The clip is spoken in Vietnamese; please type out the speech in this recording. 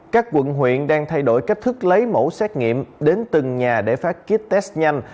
các quận huyện đang thay đổi cách thức lấy mẫu xét nghiệm đến từng nhà để phát kýt test nhanh